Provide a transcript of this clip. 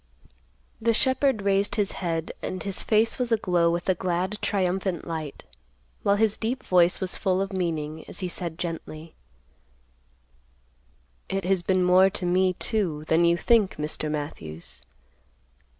The shepherd raised his head and his face was aglow with a glad triumphant light, while his deep voice was full of meaning as he said gently, "It has been more to me, too, than you think, Mr. Matthews.